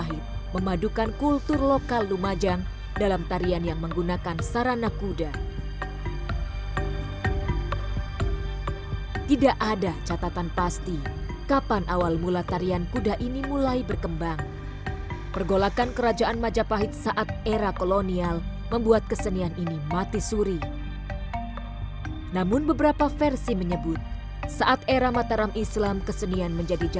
kuda kuda itu juga sangat penting pada masa pertanian pada masa pertanian